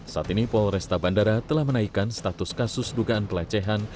saat ini polresta bandara telah menaikkan status kasus dugaan pelecehan